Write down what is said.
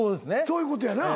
そういうことやな。